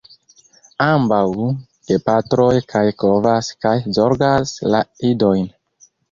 Ambaŭ gepatroj kaj kovas kaj zorgas la idojn.